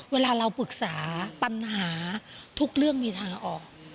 เวลาเราปรึกษาปัญหาทุกเรื่องมีทางออก